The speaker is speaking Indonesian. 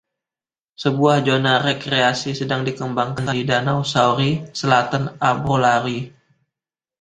Sebuah zona rekreasi sedang dikembangkan di Danau Shaori, selatan Ambrolauri.